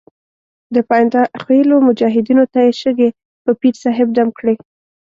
د پاینده خېلو مجاهدینو ته یې شګې په پیر صاحب دم کړې.